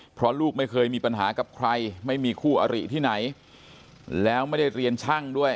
เพราะลูกไม่เคยมีปัญหากับใครไม่มีคู่อริที่ไหนแล้วไม่ได้เรียนช่างด้วย